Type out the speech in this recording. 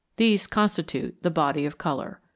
These constitute the body of color.